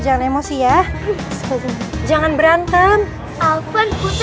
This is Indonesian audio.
dah nenggir umur lewat